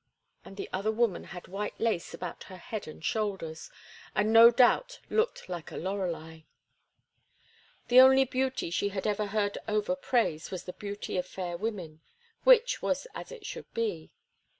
And the other woman had white lace about her head and shoulders, and no doubt looked like a lorelei. The only beauty she had ever heard Over praise was the beauty of fair women, which was as it should be.